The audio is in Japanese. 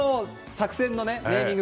作戦のネーミング